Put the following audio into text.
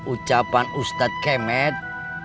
ucapan ustadz kemet